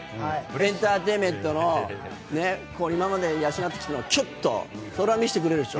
エンターテインメントの今まで養ってきたものをキュッとそりゃ見せてくれるでしょ。